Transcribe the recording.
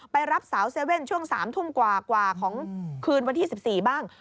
รับสาวเซเว่นช่วง๓ทุ่มกว่าของคืนวันที่๑๔บ้าง